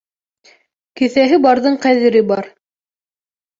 Кеҫәһе барҙың ҡәҙере бар.